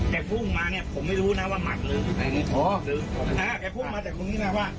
แต่พุ่งมาผมไม่รู้นะว่าหมัดหรือใครพุ่งมาแต่คุ้มมาว่าอ่า